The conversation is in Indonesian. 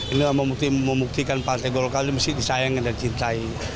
ini memuktikan partai golkar ini harus disayang dan disintai